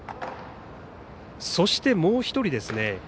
そして、もう１人ですね